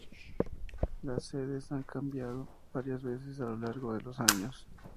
Las sedes han cambiado varias veces a lo largo de los años.